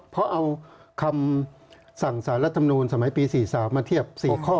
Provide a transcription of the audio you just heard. เพราะเอาคำสั่งสารรัฐมนูลสมัยปี๔๓มาเทียบ๔ข้อ